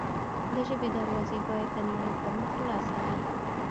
د ژبې دروازې باید د نړۍ پر مخ خلاصې وي.